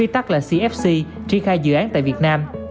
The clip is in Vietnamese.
tri khai dự án tại việt nam